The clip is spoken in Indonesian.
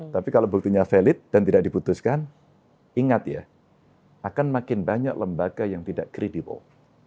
tapi kalau buktinya valid dan tidak diputuskan ingat ya akan makin banyak lembaga yang tidak kredibel